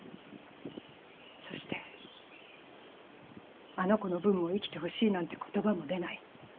そしてあの子の分も生きてほしいなんて言葉も出ない。